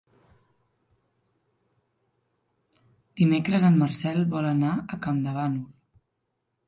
Dimecres en Marcel vol anar a Campdevànol.